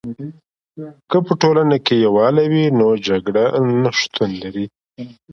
که په ټولنه کې یوالی وي، نو جګړه نه شتون لري.